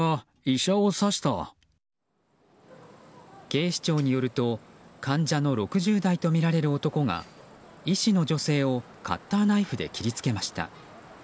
警視庁によると患者の６０代とみられる男が医師の女性をカッターナイフで切り付けました。